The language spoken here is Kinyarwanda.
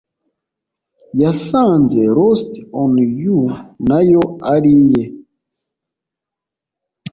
Yasanze lost on you nayo ari iye